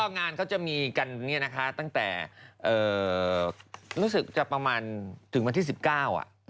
งานเขาจะมีกันเนี่ยนะคะตั้งแต่รู้สึกจะประมาณถึงวันที่๑๙อ่ะ